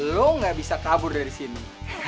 lu gak bisa kabur dari sini